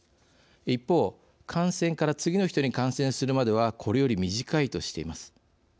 一方、感染から次の人に感染するまではこれより短いとしています。